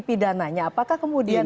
pidananya apakah kemudian